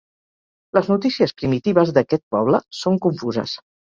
Les notícies primitives d'aquest poble són confuses.